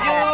ha uap ju